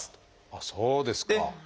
ああそうですか！